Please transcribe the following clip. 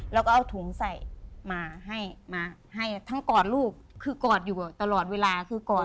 แล้วก็เอาถุงใส่มาให้มาให้ทั้งกอดลูกคือกอดอยู่ตลอดเวลาคือกอด